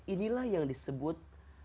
inilah yang disebut